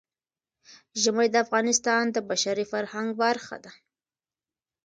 ژمی د افغانستان د بشري فرهنګ برخه ده.